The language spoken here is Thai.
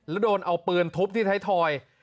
แล้วโดนเอาปืนทุบที่ไทยทอย